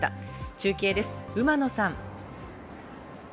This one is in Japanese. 中継です、馬野さん。